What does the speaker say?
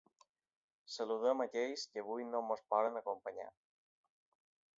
Saludem a aquells que avui no ens poden acompanyar.